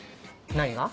何が？